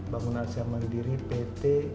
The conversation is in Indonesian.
bangunan siang mandiri pt